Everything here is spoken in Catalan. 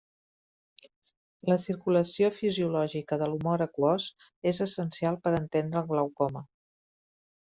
La circulació fisiològica de l'humor aquós és essencial per entendre el glaucoma.